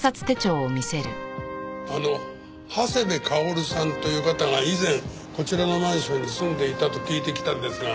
あの長谷部薫さんという方が以前こちらのマンションに住んでいたと聞いて来たんですが。